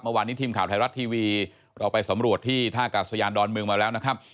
เมื่อวานนี้ทีมข่าวไทยรัฐทีวีเราไปสำรวจที่ท่ากาศยานดอนเมืองมาแล้วนะครับ